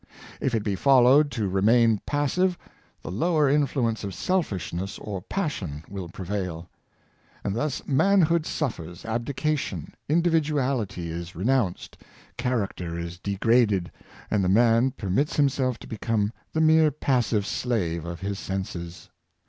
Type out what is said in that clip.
If it be allowed to remain passive, the lower influence of selfishness or passion will pre vail; and thus manhood suffers abdication, individuality is renounced, character is degraded, and the man per mits himself to become the mere passive slave of his senses.